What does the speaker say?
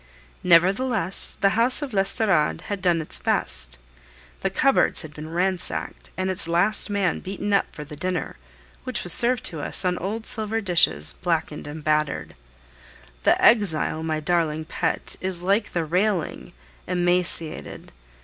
Nevertheless, the house of l'Estorade had done its best; the cupboards had been ransacked, and its last man beaten up for the dinner, which was served to us on old silver dishes, blackened and battered. The exile, my darling pet, is like the railing, emaciated!